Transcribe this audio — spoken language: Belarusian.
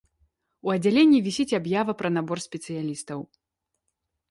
У аддзяленні вісіць аб'ява пра набор спецыялістаў.